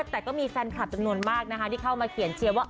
แต่ก็มีแฟนคลับจำนวนมากนะคะที่เข้ามาเขียนเชียร์ว่า